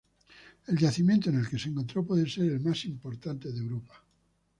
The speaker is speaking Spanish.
El yacimiento en el que se encontró puede ser el más importante de Europa.